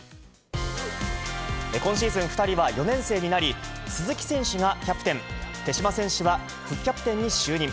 今シーズン、２人は４年生になり、鈴木選手がキャプテン、手嶋選手は副キャプテンに就任。